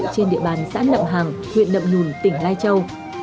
trên địa bàn xã nậm hàng huyện nậm nhùn tỉnh lai châu